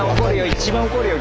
一番怒るよ